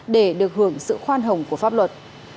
để được hưởng sự khoan hồng của pháp luật